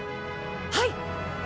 はい！